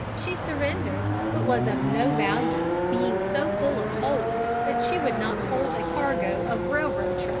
She surrendered, but was of no value, being so full of holes that she would not hold a cargo of railroad trestles.